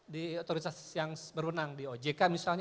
di otoritas yang berwenang di ojk misalnya